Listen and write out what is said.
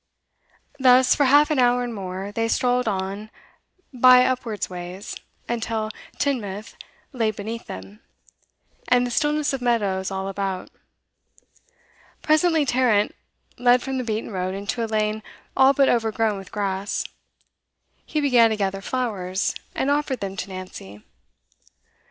Thus, for half an hour and more, they strolled on by upward ways, until Teignmouth lay beneath them, and the stillness of meadows all about. Presently Tarrant led from the beaten road into a lane all but overgrown with grass. He began to gather flowers, and offered them to Nancy.